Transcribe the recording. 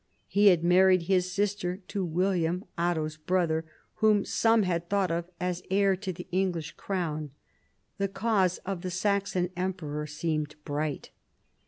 He had married his sister to William, Otto's brother, whom some had thought of as heir to the English crown. The cause of the Saxon Emperor seemed bright.